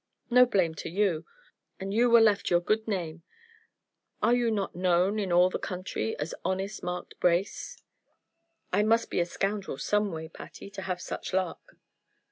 "No blame to you, and you were left your good name. Are you not known, in all the country, as Honest Mark Brace?" "I must be a scoundrel some way, Patty, to have such luck."